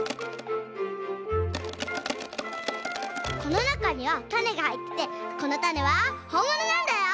このなかにはたねがはいっててこのたねはほんものなんだよ！